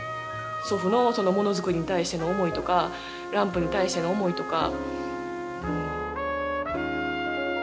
祖父の物作りに対しての思いとかランプに対しての思いとか。